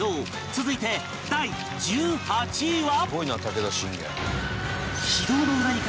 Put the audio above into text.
続いて第１８位は